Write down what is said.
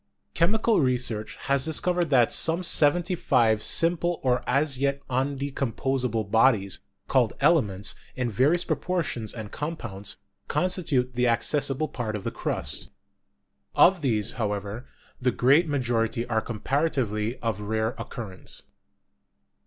Chemical research has discovered that some seventy five simple or as yet undecomposable bodies, called elements, in various proportions and compounds, consti tute the accessible part of the crust. Of these, however, the great majority are comparatively of rare occurrence.